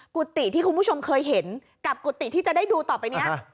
กุฏิที่คุณผู้ชมเคยเห็นกับกุฏิที่จะได้ดูต่อไปนี้